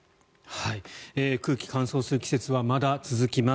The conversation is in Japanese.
空気が乾燥する季節はまだ続きます。